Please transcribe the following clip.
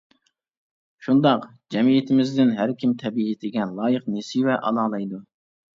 شۇنداق، جەمئىيىتىمىزدىن ھەركىم تەبىئىتىگە لايىق نېسىۋە ئالالايدۇ.